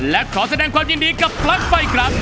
และขอแสดงความยินดีกับปลั๊กไฟครับ